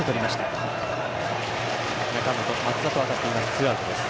ツーアウトです。